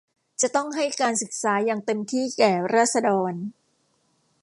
จะต้องให้การศึกษาอย่างเต็มที่แก่ราษฎร